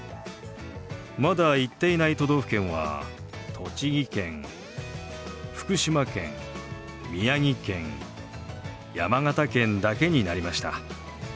まだ行っていない都道府県は栃木県福島県宮城県山形県だけになりました。